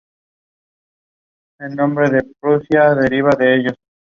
Hijo de "Ignacio de Astorga y Ovalle" y "María Josefa Torres y Valenzuela".